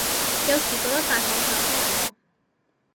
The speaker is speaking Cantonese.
有時覺得戴口罩真係好